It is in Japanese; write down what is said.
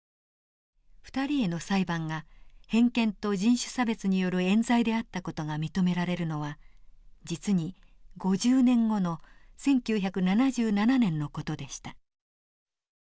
２人への裁判が偏見と人種差別による寃罪であった事が認められるのは実に５０年後の１９７７年の事でした。